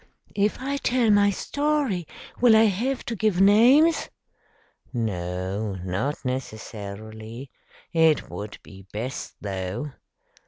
"If I tell my story, will I have to give names?" "No, not necessarily. It would be best, though."